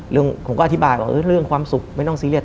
ผมก็อธิบายว่าเรื่องความสุขไม่ต้องซีเรีย